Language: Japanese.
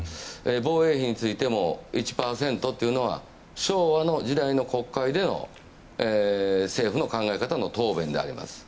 防衛費についても１％というのは昭和の時代の国会での政府の考え方の答弁であります。